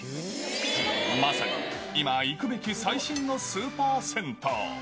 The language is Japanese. まさに今行くべき最新のスーパー銭湯。